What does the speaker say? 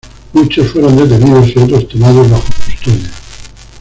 Muchos fueron detenidos y otros tomados bajo custodia.